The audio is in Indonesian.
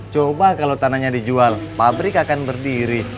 coba kalau tanahnya dijual pabrik akan berdiri